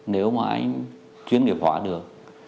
nếu mà anh chuyên nghiệp họa được